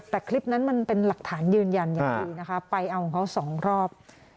แต่คลิปนั้นมันเป็นหลักฐานยืนยันอย่างดีนะคะไปเอาของเขาสองรอบ